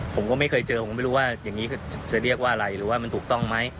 ผมก็ไม่เคยเจอผมไม่รู้ว่าอย่างนี้จะเรียกว่าอะไรหรือว่ามันถูกต้องไหม